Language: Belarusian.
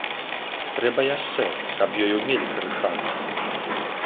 Трэба яшчэ, каб ёй умелі карыстацца.